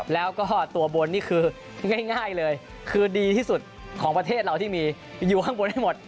แล้วก็ตัวบนนี่คือง่ายเลยคือดีที่สุดของประเทศเราที่มีอยู่ข้างบนให้หมด